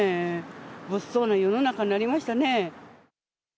物騒な世の中になりましたね。